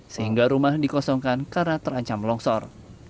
sehingga rumah dikosongkan karena terancam longsor